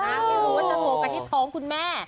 หรือว่าจะโฟกัสที่ท้องคุณแม่